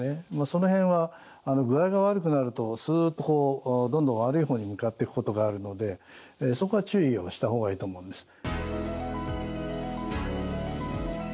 その辺は具合が悪くなるとすっとどんどん悪い方に向かっていくことがあるのでそこは注意をした方がいいと思うんです。